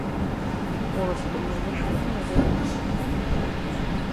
Ur as-ḍelluɣ acemma i weɣrum-nsent.